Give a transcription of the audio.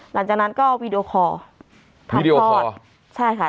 หลังจากนั้นก็วิดีโอคอร์วิดีโอคอร์ทำคลอด